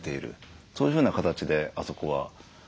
そういうふうな形であそこは安定してます。